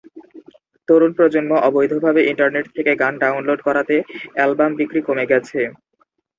তরুণ প্রজন্ম অবৈধভাবে ইন্টারনেট থেকে গান ডাউনলোড করাতে অ্যালবাম বিক্রি কমে গেছে।